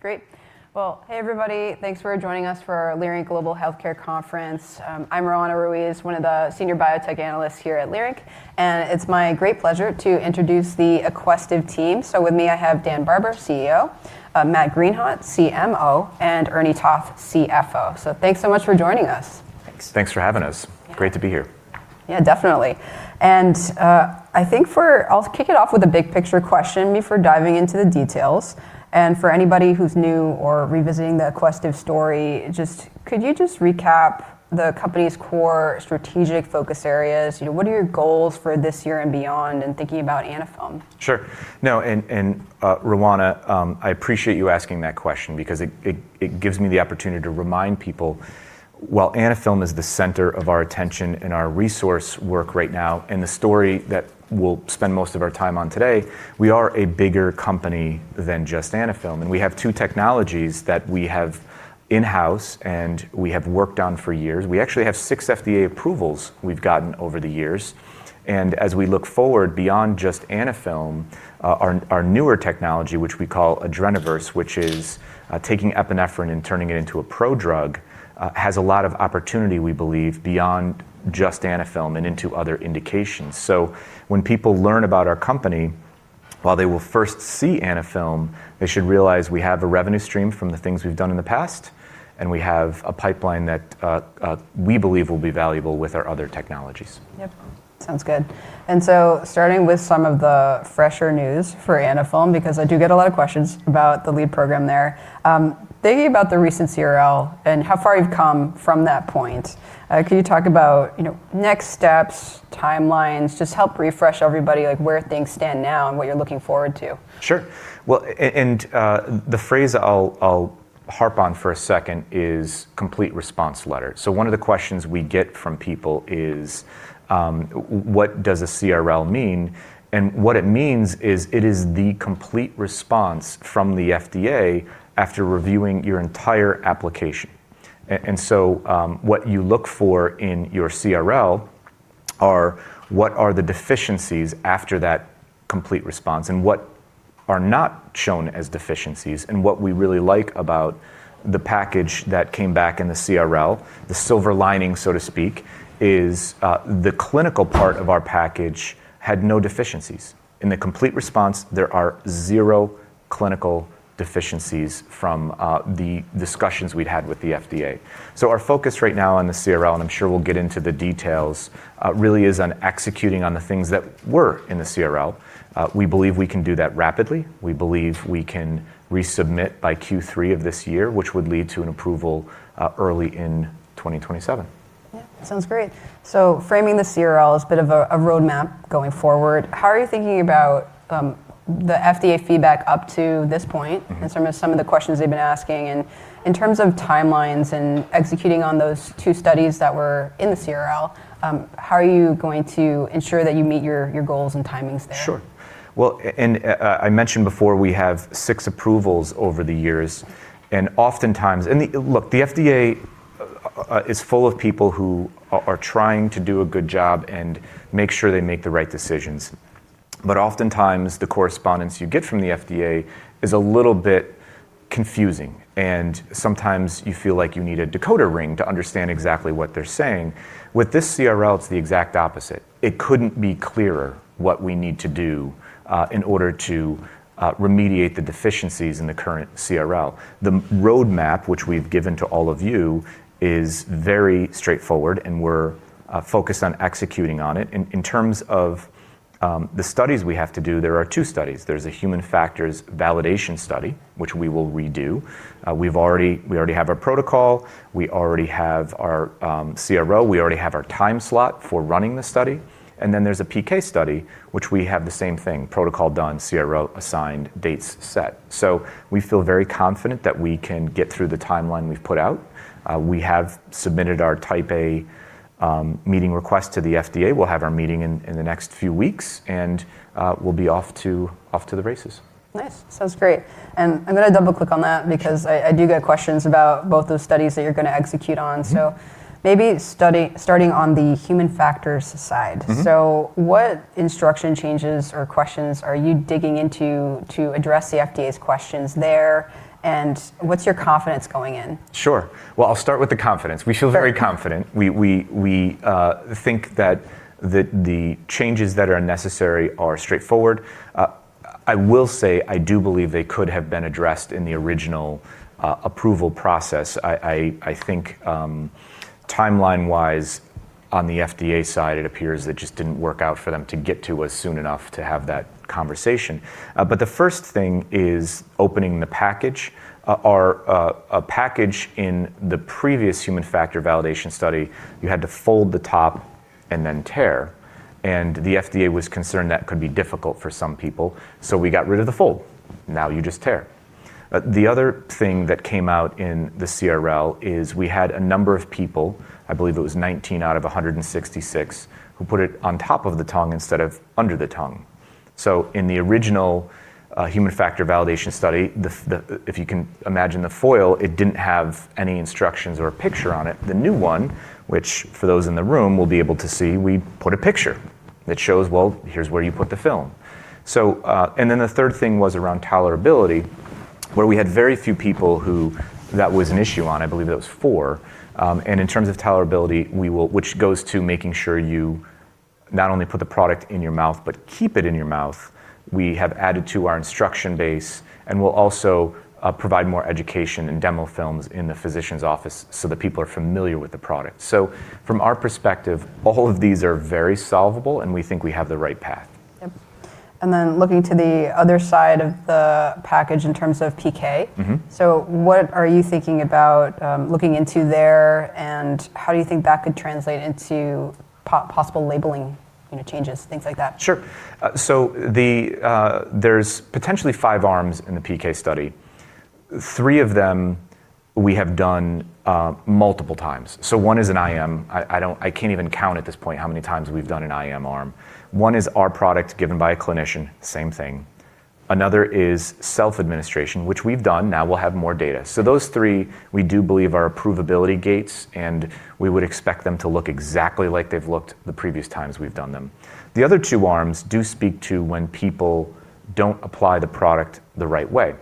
Okay, great. Well, hey everybody. Thanks for joining us for our Leerink Global Healthcare Conference. I'm Roanna Ruiz, one of the senior biotech analysts here at Leerink, and it's my great pleasure to introduce the Aquestive team. With me I have Dan Barber, CEO, Matt Greenhawt, CMO, and Ernie Toth, CFO. Thanks so much for joining us. Thanks. Thanks for having us. Great to be here. Yeah, definitely. I'll kick it off with a big picture question before diving into the details, and for anybody who's new or revisiting the Aquestive story, could you just recap the company's core strategic focus areas? You know, what are your goals for this year and beyond, and thinking about Anaphylm? Sure. No, Roanna I appreciate you asking that question because it gives me the opportunity to remind people while Anaphylm is the center of our attention and our resource work right now, and the story that we'll spend most of our time on today, we are a bigger company than just Anaphylm. We have two technologies that we have in-house and we have worked on for years. We actually have six FDA approvals we've gotten over the years. As we look forward beyond just Anaphylm, our newer technology, which we call Adrenoverse, which is taking epinephrine and turning it into a prodrug, has a lot of opportunity, we believe, beyond just Anaphylm and into other indications. When people learn about our company, while they will first see Anaphylm, they should realize we have a revenue stream from the things we've done in the past, and we have a pipeline that we believe will be valuable with our other technologies. Yep. Sounds good. Starting with some of the fresher news for Anaphylm, because I do get a lot of questions about the lead program there, thinking about the recent CRL and how far you've come from that point, can you talk about, you know, next steps, timelines, just help refresh everybody, like where things stand now and what you're looking forward to. Sure. Well, the phrase I'll harp on for a second is complete response letter. One of the questions we get from people is, what does a CRL mean? What it means is it is the complete response from the FDA after reviewing your entire application. What you look for in your CRL are what are the deficiencies after that complete response and what are not shown as deficiencies. What we really like about the package that came back in the CRL, the silver lining, so to speak, is, the clinical part of our package had no deficiencies. In the complete response, there are zero clinical deficiencies from the discussions we'd had with the FDA. Our focus right now on the CRL, and I'm sure we'll get into the details, really is on executing on the things that were in the CRL. We believe we can do that rapidly. We believe we can resubmit by Q3 of this year, which would lead to an approval, early in 2027. Yeah. Sounds great. Framing the CRL as a bit of a roadmap going forward, how are you thinking about the FDA feedback up to this point in terms of some of the questions they've been asking, and in terms of timelines and executing on those two studies that were in the CRL, how are you going to ensure that you meet your goals and timings there? Sure. Well, I mentioned before we have six approvals over the years, oftentimes. Look, the FDA is full of people who are trying to do a good job and make sure they make the right decisions. Oftentimes the correspondence you get from the FDA is a little bit confusing, and sometimes you feel like you need a decoder ring to understand exactly what they're saying. With this CRL, it's the exact opposite. It couldn't be clearer what we need to do in order to remediate the deficiencies in the current CRL. The roadmap which we've given to all of you is very straightforward, we're focused on executing on it. In terms of the studies we have to do, there are two studies. There's a human factors validation study, which we will redo. We've already. We already have our protocol, we already have our CRO, we already have our time slot for running the study, and then there's a PK study, which we have the same thing, protocol done, CRO assigned, dates set. We feel very confident that we can get through the timeline we've put out. We have submitted our Type A meeting request to the FDA. We'll have our meeting in the next few weeks, and we'll be off to the races. Nice. Sounds great. I'm gonna double-click on that because I do get questions about both those studies that you're gonna execute on. Maybe starting on the human factors side. What instruction changes or questions are you digging into to address the FDA's questions there, and what's your confidence going in? Sure. Well, I'll start with the confidence. We feel very confident. We think that the changes that are necessary are straightforward. I will say I do believe they could have been addressed in the original approval process. I think timeline-wise on the FDA side, it appears it just didn't work out for them to get to us soon enough to have that conversation. The first thing is opening the package. Our a package in the previous human factors validation study, you had to fold the top and then tear, and the FDA was concerned that could be difficult for some people, so we got rid of the fold. Now you just tear. The other thing that came out in the CRL is we had a number of people, I believe it was 19 out of 166, who put it on top of the tongue instead of under the tongue. In the original human factors validation study, if you can imagine the foil, it didn't have any instructions or a picture on it. The new one, which for those in the room will be able to see, we put a picture. That shows, well, here's where you put the film. And then the third thing was around tolerability, where we had very few people who that was an issue on. I believe it was four. In terms of tolerability, which goes to making sure you not only put the product in your mouth, but keep it in your mouth, we have added to our instruction base and we'll also provide more education and demo films in the physician's office so that people are familiar with the product. From our perspective, all of these are very solvable and we think we have the right path. Yep. Looking to the other side of the package in terms of PK. What are you thinking about, looking into there and how do you think that could translate into possible labeling, you know, changes, things like that? Sure. There's potentially five arms in the PK study. Three of them we have done multiple times. One is an IM. I can't even count at this point how many times we've done an IM arm. One is our product given by a clinician, same thing. Another is self-administration, which we've done, now we'll have more data. Those three we do believe are approvability gates, and we would expect them to look exactly like they've looked the previous times we've done them. The other two arms do speak to when people don't apply the product the right way,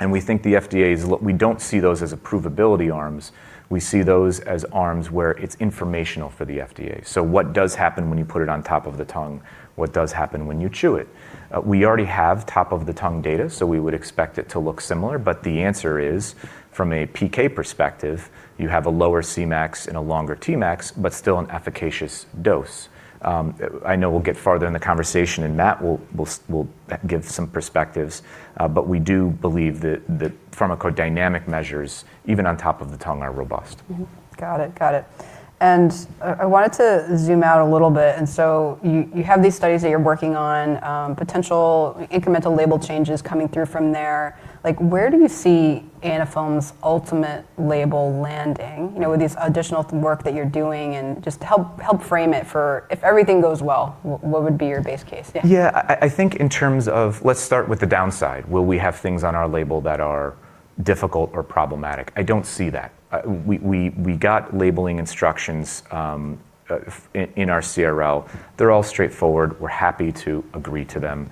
and we think the FDA is we don't see those as approvability arms, we see those as arms where it's informational for the FDA. What does happen when you put it on top of the tongue? What does happen when you chew it? We already have top of the tongue data, we would expect it to look similar. The answer is, from a PK perspective, you have a lower Cmax and a longer Tmax, but still an efficacious dose. I know we'll get farther in the conversation and Matt will give some perspectives, we do believe that pharmacodynamic measures, even on top of the tongue, are robust. Got it. I wanted to zoom out a little bit. You have these studies that you're working on, potential incremental label changes coming through from there. Like, where do you see Anaphylm's ultimate label landing, you know, with this additional work that you're doing? Just help frame it for if everything goes well, what would be your base case? Yeah. I think in terms of let's start with the downside. Will we have things on our label that are difficult or problematic? I don't see that. We got labeling instructions in our CRL. They're all straightforward. We're happy to agree to them.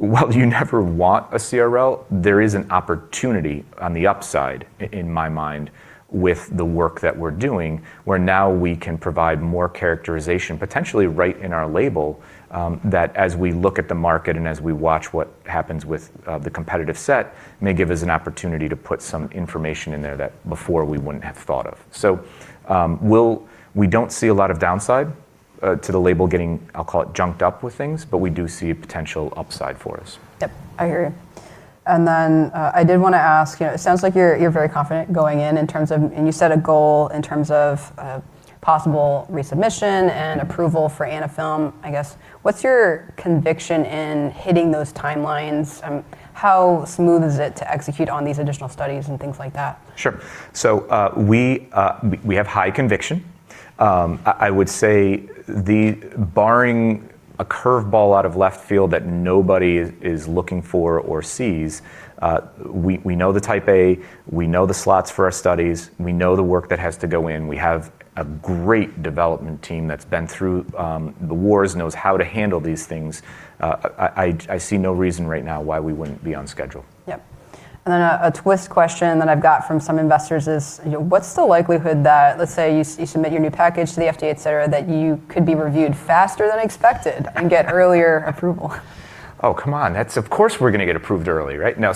While you never want a CRL, there is an opportunity on the upside in my mind with the work that we're doing, where now we can provide more characterization, potentially right in our label, that as we look at the market and as we watch what happens with the competitive set, may give us an opportunity to put some information in there that before we wouldn't have thought of. We don't see a lot of downside, to the label getting, I'll call it junked up with things, but we do see a potential upside for us. Yep. I hear you. I did wanna ask, you know, it sounds like you're very confident going in. You set a goal in terms of possible resubmission and approval for Anaphylm. I guess, what's your conviction in hitting those timelines? How smooth is it to execute on these additional studies and things like that? Sure. We have high conviction. I would say barring a curveball out of left field that nobody is looking for or sees, we know the Type A, we know the slots for our studies, we know the work that has to go in. We have a great development team that's been through the wars and knows how to handle these things. I see no reason right now why we wouldn't be on schedule. Yep. Then a twist question that I've got from some investors is, you know, what's the likelihood that, let's say, you submit your new package to the FDA, et cetera, that you could be reviewed faster than expected and get earlier approval? Oh, come on. That's Of course, we're gonna get approved early, right? No.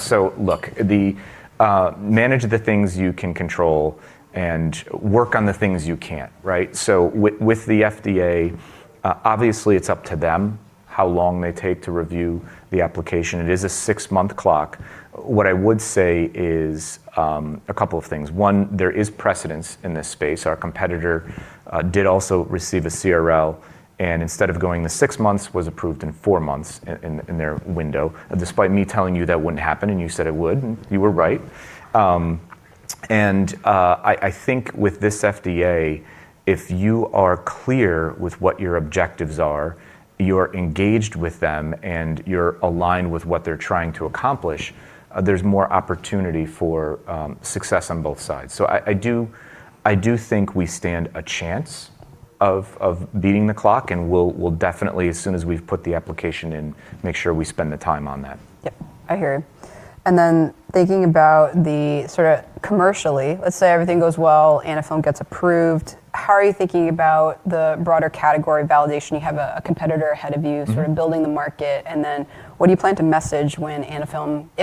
manage the things you can control and work on the things you can't, right? With the FDA, obviously it's up to them how long they take to review the application. It is a six-month clock. What I would say is a couple of things. One, there is precedence in this space. Our competitor did also receive a CRL, and instead of going the six months, was approved in four months in their window, despite me telling you that wouldn't happen and you said it would, and you were right. I think with this FDA, if you are clear with what your objectives are, you're engaged with them, and you're aligned with what they're trying to accomplish, there's more opportunity for success on both sides. I do think we stand a chance of beating the clock, and we'll definitely, as soon as we've put the application in, make sure we spend the time on that. Yep. I hear you. Thinking about the sort of commercially, let's say everything goes well, Anaphylm gets approved. How are you thinking about the broader category validation? You have a competitor ahead of you sort of building the market, and then what do you plan to message when if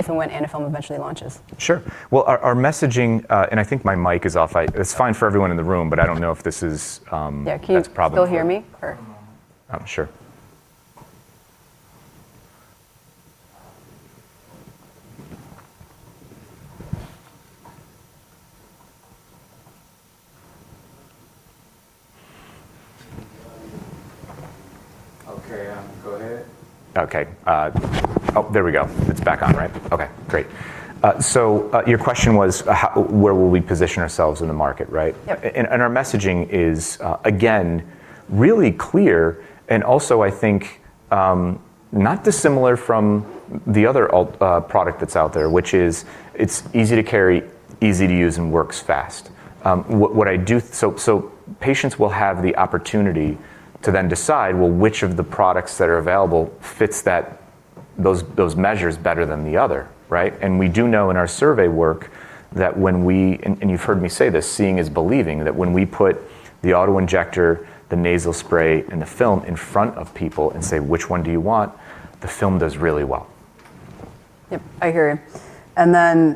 and when Anaphylm eventually launches? Sure. Well, our messaging. I think my mic is off. It's fine for everyone in the room, but I don't know if this is that's a problem. Still hear me or? Sure. Okay. go ahead. Okay. There we go. It's back on, right? Okay, great. Your question was, where will we position ourselves in the market, right? Yep. Our messaging is, again, really clear, and also, I think, not dissimilar from the other alt product that's out there, which is it's easy to carry, easy to use, and works fast. Patients will have the opportunity to then decide, well, which of the products that are available fits that those measures better than the other, right? We do know in our survey work that when we you've heard me say this, seeing is believing, that when we put the auto-injector, the nasal spray, and the film in front of people and say, "Which one do you want?" The film does really well. Yep, I hear you.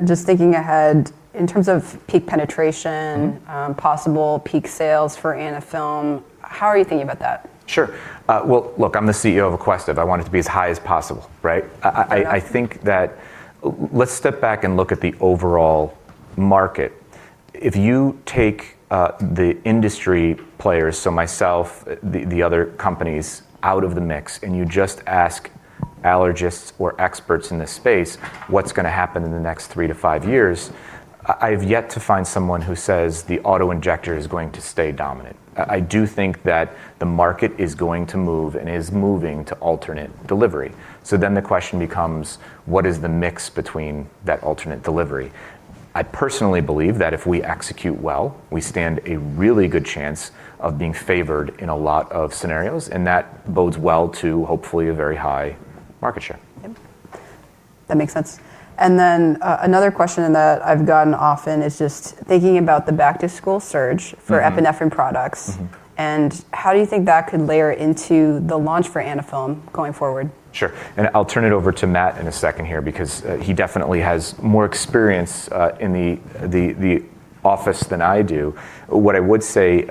just thinking ahead, in terms of peak penetration possible peak sales for Anaphylm, how are you thinking about that? Sure. Well, look, I'm the CEO of Aquestive. I want it to be as high as possible, right? I think that let's step back and look at the overall market. If you take the industry players, myself, the other companies out of the mix, and you just ask allergists or experts in this space, "What's going to happen in the next three to five years?" I've yet to find someone who says the auto-injector is going to stay dominant. I do think that the market is going to move and is moving to alternate delivery. The question becomes: What is the mix between that alternate delivery? I personally believe that if we execute well, we stand a really good chance of being favored in a lot of scenarios, and that bodes well to, hopefully, a very high market share. Yep. That makes sense. Another question that I've gotten often is just thinking about the back-to-school surge for epinephrine products. How do you think that could layer into the launch for Anaphylm going forward? Sure. I'll turn it over to Matt in a second here because he definitely has more experience in the office than I do. What I would say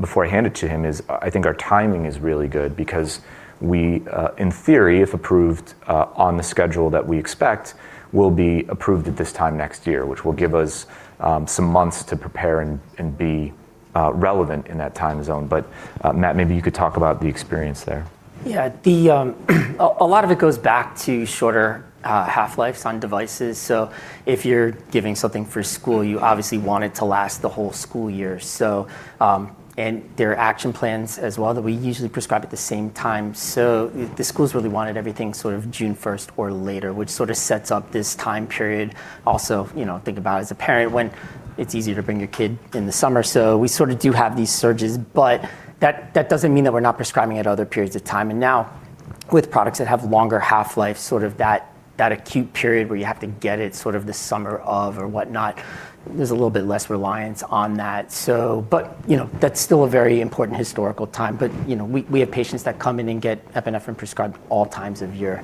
before I hand it to him is I think our timing is really good because we, in theory, if approved, on the schedule that we expect, will be approved at this time next year, which will give us some months to prepare and be relevant in that time zone. Matt, maybe you could talk about the experience there. Yeah. The, a lot of it goes back to shorter half-lives on devices, so if you're giving something for school, you obviously want it to last the whole school year. There are action plans as well that we usually prescribe at the same time, so the schools really wanted everything sort of June 1st or later, which sort of sets up this time period. Also, you know, think about as a parent when it's easier to bring your kid in the summer. We sort of do have these surges, but that doesn't mean that we're not prescribing at other periods of time. Now, with products that have longer half-life, sort of that acute period where you have to get it sort of the summer of or whatnot, there's a little bit less reliance on that, so. You know, that's still a very important historical time. you know, we have patients that come in and get epinephrine prescribed all times of year.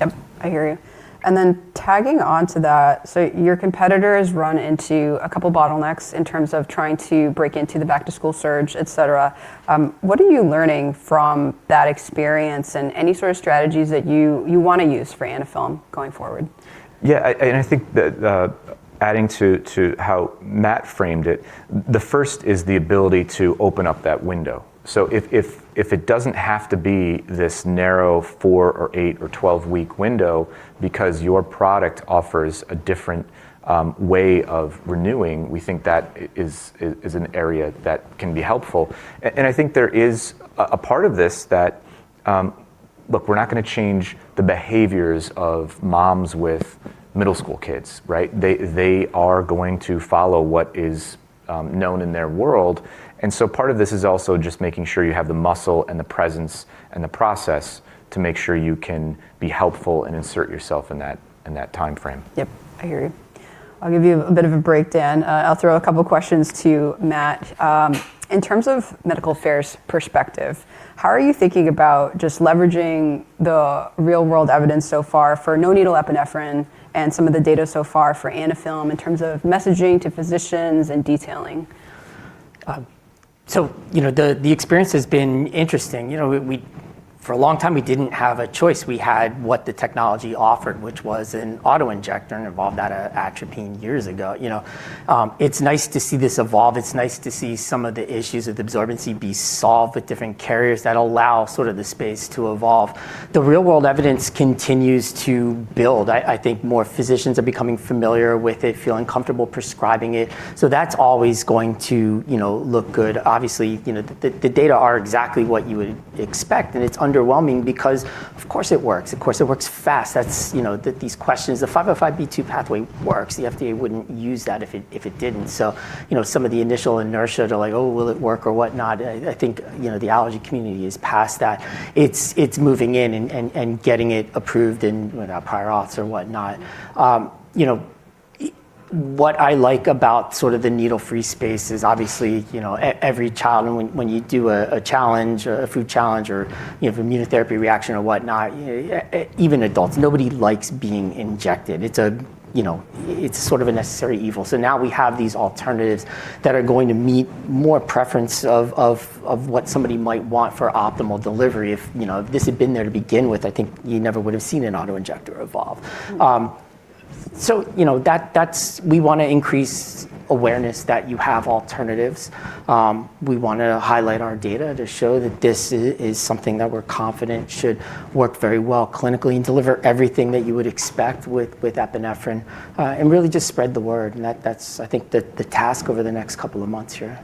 Yep, I hear you. Tagging onto that, your competitors run into a couple bottlenecks in terms of trying to break into the back-to-school surge, et cetera. What are you learning from that experience and any sort of strategies that you wanna use for Anaphylm going forward? Yeah, and I think the adding to how Matt framed it, the first is the ability to open up that window. If it doesn't have to be this narrow four or eight or 12-week window because your product offers a different way of renewing, we think that is an area that can be helpful. I think there is a part of this that. Look, we're not gonna change the behaviors of moms with middle school kids, right? They are going to follow what is known in their world, part of this is also just making sure you have the muscle and the presence and the process to make sure you can be helpful and insert yourself in that timeframe. Yep. I hear you. I'll give you a bit of a break, Dan. I'll throw a couple questions to Matt. In terms of medical affairs perspective, how are you thinking about just leveraging the real world evidence so far for no-needle epinephrine and some of the data so far for Anaphylm in terms of messaging to physicians and detailing? You know, the experience has been interesting. You know, for a long time we didn't have a choice. We had what the technology offered, which was an auto-injector and evolved out of atropine years ago, you know? It's nice to see this evolve. It's nice to see some of the issues of the absorbency be solved with different carriers that allow sort of the space to evolve. The real world evidence continues to build. I think more physicians are becoming familiar with it, feeling comfortable prescribing it, that's always going to, you know, look good. Obviously, you know, the data are exactly what you would expect, it's underwhelming because of course it works. Of course it works fast. That's, you know, these questions. The 505(b)(2) pathway works. The FDA wouldn't use that if it didn't. You know, some of the initial inertia to like, "Oh, will it work or whatnot?" I think, you know, the allergy community is past that. It's moving in and getting it approved in, what, prior arts or whatnot. You know, what I like about sort of the needle-free space is obviously, you know, every child and when you do a challenge, a food challenge or, you know, have immunotherapy reaction or whatnot, even adults, nobody likes being injected. It's a, you know, it's sort of a necessary evil. Now we have these alternatives that are going to meet more preference of what somebody might want for optimal delivery. If, you know, this had been there to begin with, I think you never would've seen an auto-injector evolve. You know, we wanna increase awareness that you have alternatives. We wanna highlight our data to show that this is something that we're confident should work very well clinically and deliver everything that you would expect with epinephrine. Really just spread the word and that's, I think the task over the next couple of months here.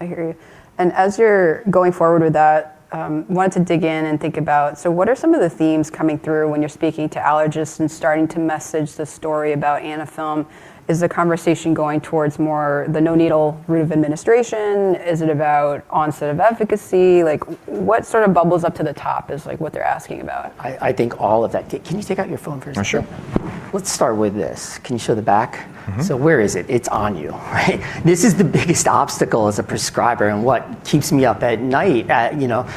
I hear you. As you're going forward with that, wanted to dig in and think about what are some of the themes coming through when you're speaking to allergists and starting to message the story about Anaphylm? Is the conversation going towards more the no-needle route of administration? Is it about onset of efficacy? What sort of bubbles up to the top as what they're asking about? I think all of that. Can you take out your phone for a second? Oh, sure. Let's start with this. Can you show the back? Where is it? It's on you, right? This is the biggest obstacle as a prescriber and what keeps me up at night, you know,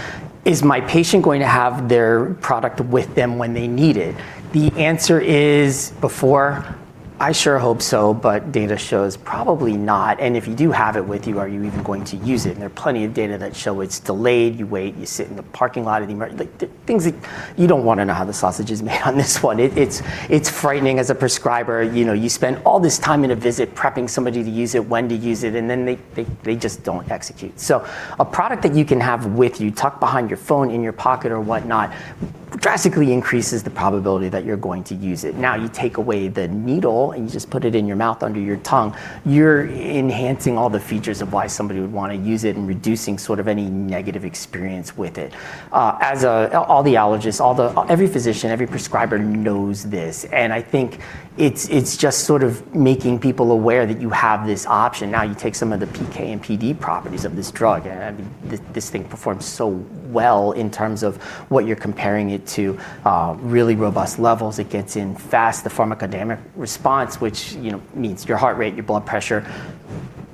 is my patient going to have their product with them when they need it? The answer is, before, I sure hope so, but data shows probably not, and if you do have it with you, are you even going to use it? There are plenty of data that show it's delayed, you wait, you sit in the parking lot of the things like you don't wanna know how the sausage is made on this one. It's frightening as a prescriber. You know, you spend all this time in a visit prepping somebody to use it, when to use it, and then they just don't execute. A product that you can have with you, tucked behind your phone, in your pocket or whatnot, drastically increases the probability that you're going to use it. You take away the needle, and you just put it in your mouth, under your tongue, you're enhancing all the features of why somebody would wanna use it and reducing sort of any negative experience with it. All the allergists, every physician, every prescriber knows this, and I think it's just sort of making people aware that you have this option. You take some of the PK and PD properties of this drug, and, I mean, this thing performs so well in terms of what you're comparing it to, really robust levels. It gets in fast. The pharmacodynamic response, which, you know, means your heart rate, your blood pressure,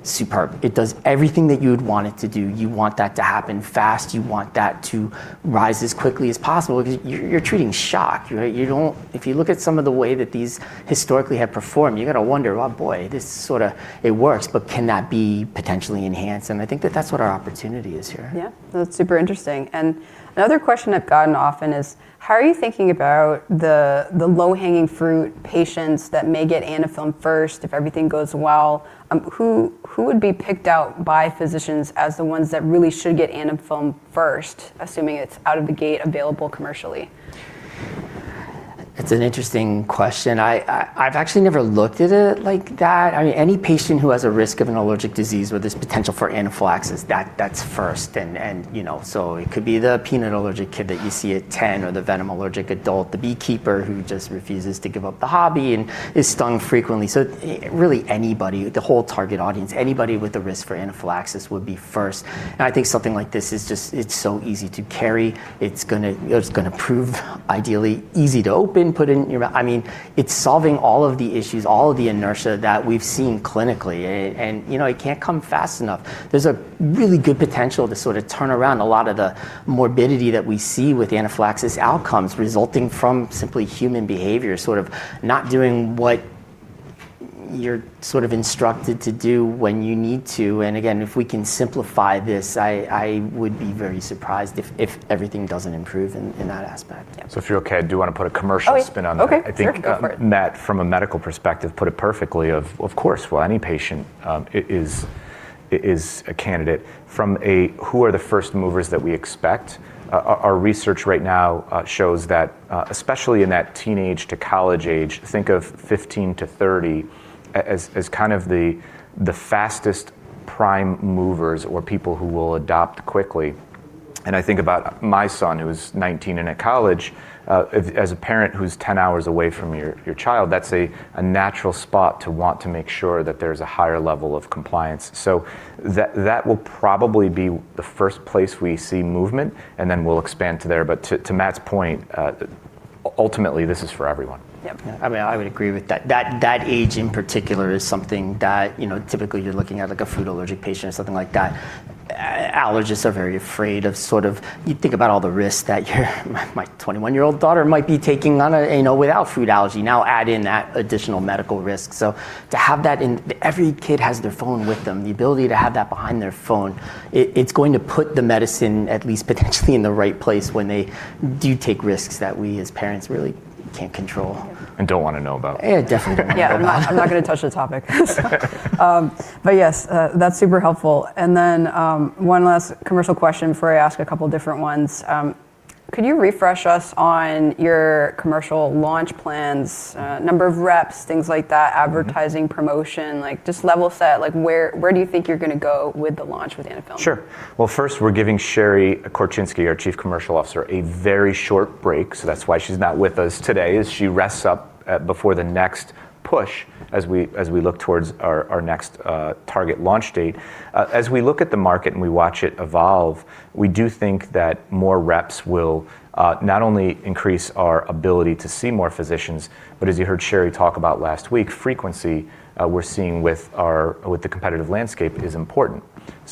superb. It does everything that you'd want it to do. You want that to happen fast. You want that to rise as quickly as possible because you're treating shock, right? If you look at some of the way that these historically have performed, you gotta wonder, "Oh, boy, this it works, but can that be potentially enhanced?" I think that that's what our opportunity is here. Yeah. That's super interesting. Another question I've gotten often is: How are you thinking about the low-hanging fruit patients that may get Anaphylm first if everything goes well? Who would be picked out by physicians as the ones that really should get Anaphylm first, assuming it's out of the gate available commercially? It's an interesting question. I've actually never looked at it like that. I mean, any patient who has a risk of an allergic disease where there's potential for anaphylaxis, that's first. You know, it could be the peanut allergic kid that you see at 10 or the venom allergic adult, the beekeeper who just refuses to give up the hobby and is stung frequently. Really anybody, the whole target audience, anybody with a risk for anaphylaxis would be first. I think something like this is just, it's so easy to carry. It's gonna prove ideally easy to open, I mean, it's solving all of the issues, all of the inertia that we've seen clinically. You know, it can't come fast enough. There's a really good potential to sorta turn around a lot of the morbidity that we see with anaphylaxis outcomes resulting from simply human behavior, sort of not doing what you're sort of instructed to do when you need to. Again, if we can simplify this, I would be very surprised if everything doesn't improve in that aspect. Yeah. if you're okay, I do wanna put a spin on that. Okay. Sure. Go for it. I think, Matt, from a medical perspective, put it perfectly of course. Well, any patient is a candidate. From a who are the first movers that we expect, our research right now shows that, especially in that teenage to college age, think of 15 to 30 as kind of the fastest prime movers or people who will adopt quickly. I think about my son, who is 19 and at college. As a parent who's 10 hours away from your child, that's a natural spot to want to make sure that there's a higher level of compliance. That will probably be the first place we see movement, we'll expand to there. To Matt's point, ultimately, this is for everyone. Yep. I mean, I would agree with that. That age in particular is something that, you know, typically you're looking at like a food allergic patient or something like that. Allergists are very afraid of sort of, you think about all the risks that my 21 year old daughter might be taking on a, you know, without food allergy. Add in that additional medical risk. To have that in. Every kid has their phone with them. The ability to have that behind their phone, it's going to put the medicine at least potentially in the right place when they do take risks that we as parents really can't control. Don't wanna know about. Yeah, definitely. Yeah. I'm not, I'm not gonna touch the topic. Yes, that's super helpful. One last commercial question before I ask a couple different ones. Could you refresh us on your commercial launch plans, number of reps, things like that advertising, promotion? Like, just level set, like where do you think you're gonna go with the launch with Anaphylm? Sure. Well, first we're giving Sherry Korczynski, our Chief Commercial Officer, a very short break, so that's why she's not with us today, is she rests up before the next push as we look towards our next target launch date. As we look at the market and we watch it evolve, we do think that more reps will not only increase our ability to see more physicians, but as you heard Sherry talk about last week, frequency with the competitive landscape is important.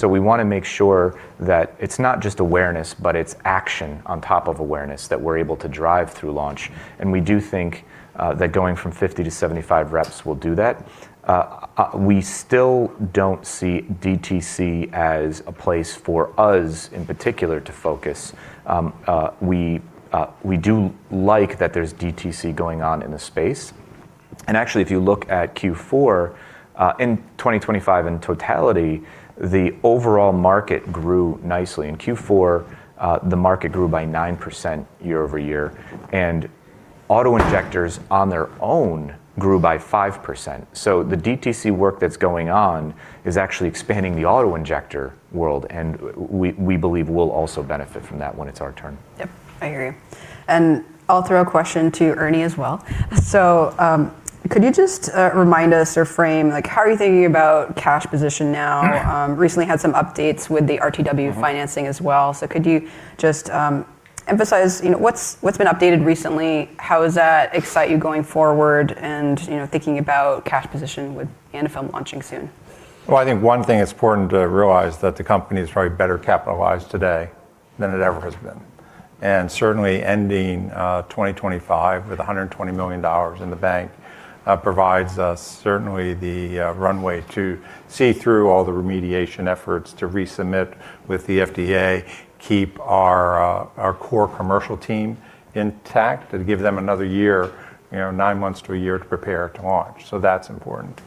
We wanna make sure that it's not just awareness, but it's action on top of awareness that we're able to drive through launch, and we do think that going from 50 to 75 reps will do that. We still don't see DTC as a place for us in particular to focus. We do like that there's DTC going on in the space, and actually, if you look at Q4 in 2025 in totality, the overall market grew nicely. In Q4, the market grew by 9% year-over-year. Auto-injectors on their own grew by 5%. The DTC work that's going on is actually expanding the auto-injector world, and we believe we'll also benefit from that when it's our turn. Yep. I hear you. I'll throw a question to Ernie as well. Could you just remind us or frame, like, how are you thinking about cash position now? Recently had some updates with the RTW financing as well, could you just emphasize, you know, what's been updated recently? How does that excite you going forward and, you know, thinking about cash position with Anaphylm launching soon? Well, I think one thing that's important Roan, that the company is probably better capitalized today than it ever has been. Certainly ending 2025 with $120 million in the bank provides us certainly the runway to see through all the remediation efforts, to resubmit with the FDA, keep our core commercial team intact and give them another year, you know, nine months to a year to prepare to launch. That's important.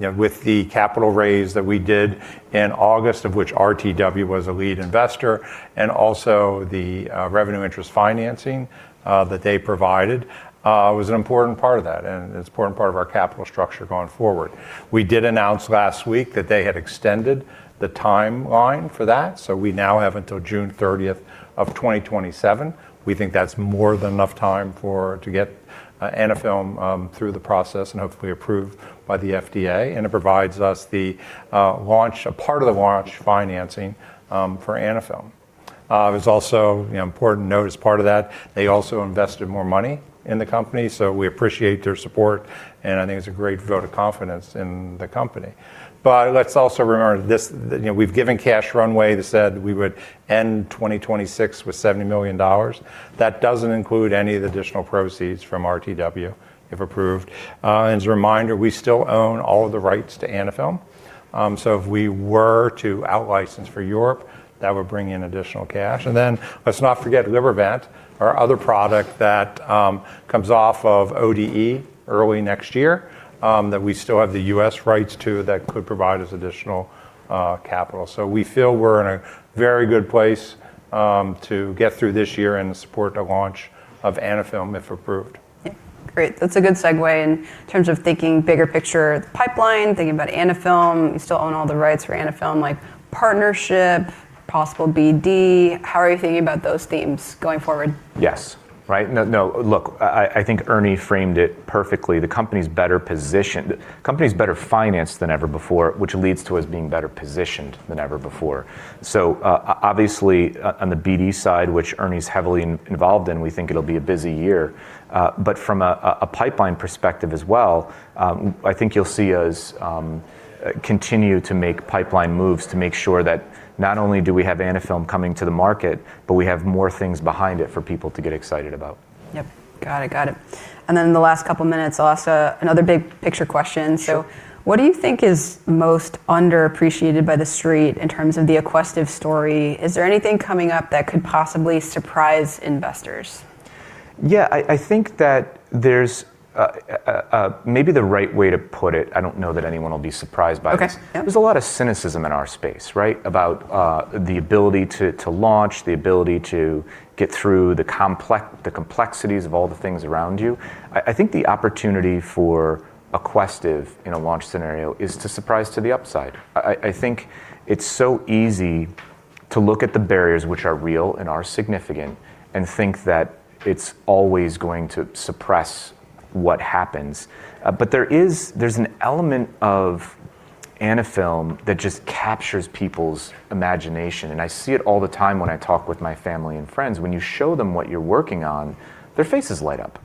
You know, with the capital raise that we did in August, of which RTW was a lead investor, and also the revenue interest financing that they provided was an important part of that, and an important part of our capital structure going forward. We did announce last week that they had extended the timeline for that. We now have until June 30, 2027. We think that's more than enough time for to get Anaphylm through the process and hopefully approved by the FDA. It provides us the launch, a part of the launch financing, for Anaphylm. It was also, you know, important to note as part of that, they also invested more money in the company. We appreciate their support. I think it's a great vote of confidence in the company. Let's also remember this, that, you know, we've given cash runway. They said we would end 2026 with $70 million. That doesn't include any of the additional proceeds from RTW if approved. As a reminder, we still own all of the rights to Anaphylm. If we were to out-license for Europe, that would bring in additional cash. Let's not forget Libervant, our other product that comes off of ODE early next year, that we still have the U.S. rights to, that could provide us additional capital. We feel we're in a very good place to get through this year and support the launch of Anaphylm, if approved. Yeah. Great. That's a good segue in terms of thinking bigger picture pipeline, thinking about Anaphylm. You still own all the rights for Anaphylm, like partnership, possible BD. How are you thinking about those themes going forward? Yes. Right. No, no. Look, I think Ernie framed it perfectly. The company's better financed than ever before, which leads to us being better positioned than ever before. Obviously on the BD side, which Ernie's heavily involved in, we think it'll be a busy year. From a pipeline perspective as well, I think you'll see us continue to make pipeline moves to make sure that not only do we have Anaphylm coming to the market, but we have more things behind it for people to get excited about. Yep. Got it. Got it. In the last couple minutes, I'll ask another big picture question. Sure. What do you think is most underappreciated by the Street in terms of the Aquestive story? Is there anything coming up that could possibly surprise investors? Yeah, I think that there's maybe the right way to put it, I don't know that anyone will be surprised by this. Okay. Yeah. There's a lot of cynicism in our space, right, about the ability to launch, the ability to get through the complexities of all the things around you. I think the opportunity for Aquestive in a launch scenario is to surprise to the upside. I think it's so easy to look at the barriers which are real and are significant and think that it's always going to suppress what happens. There's an element of Anaphylm that just captures people's imagination, and I see it all the time when I talk with my family and friends. When you show them what you're working on, their faces light up.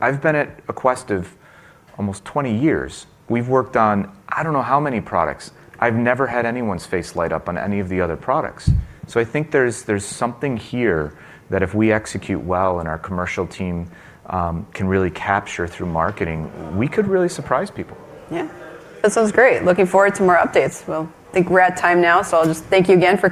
I've been at Aquestive almost 20 years. We've worked on I don't know how many products. I've never had anyone's face light up on any of the other products. I think there's something here that if we execute well and our commercial team can really capture through marketing, we could really surprise people. Yeah. That sounds great. Looking forward to more updates. I think we're at time now, so I'll just thank you again for coming.